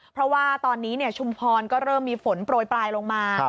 เพราะว่าตอนนี้ชุมพรก็เริ่มมีฝนโปรยปลายลงมา